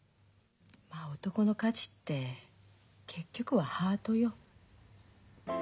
まあ男の価値って結局は「ハート」よ。